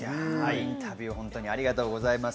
インタビューをありがとうございます。